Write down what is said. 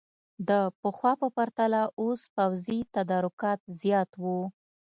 د پخوا په پرتله اوس پوځي تدارکات زیات وو.